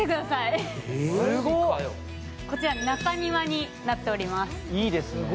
こちら中庭になっております。